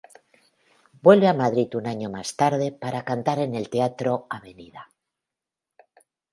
Vuelve a Madrid un año más tarde para cantar en el Teatro Avenida.